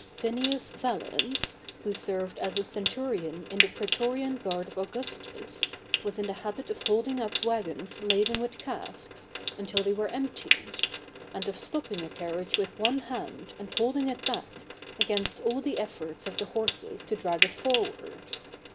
Vinnius Valens, who served as a centurion in the prætorian guard of Augustus, was in the habit of holding up wagons laden with casks, until they were emptied; and of stopping a carriage with one hand, and holding it back, against all the efforts of the horses to drag it forward.